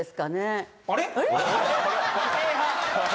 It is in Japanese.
あれ？